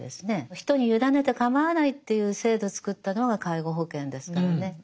人に委ねて構わないっていう制度を作ったのが介護保険ですからね。